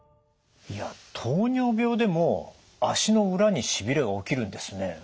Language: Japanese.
糖尿病でも足の裏にしびれが起きるんですね。